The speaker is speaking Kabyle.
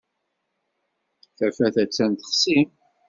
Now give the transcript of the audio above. Tafat attan texsi.